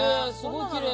きれい。